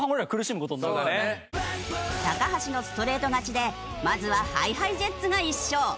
橋のストレート勝ちでまずはＨｉＨｉＪｅｔｓが１勝。